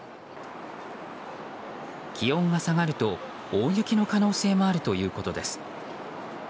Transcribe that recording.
気温が下がると大雪の可能性もあるということです。